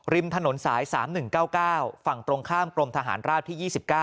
ริมถนนสาย๓๑๙๙ฝั่งตรงข้ามกรมทหารราบที่๒๙